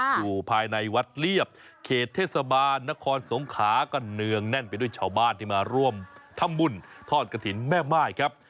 อยู่ภายในวัดเรียบเขตเทศบาลนครสงขากันเนืองแน่นไปด้วยชาวบ้านที่มาร่วมทำบุญทอดกระถิ่นแม่ม่ายครับ